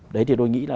đấy thì tôi nghĩ là